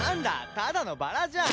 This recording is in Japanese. ただのバラじゃん！